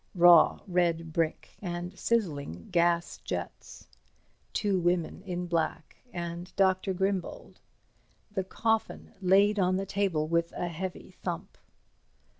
Raw red brick and sizzling gas jets. Two women in black, and Dr. Grimbold. The coffin laid on the table with a heavy thump.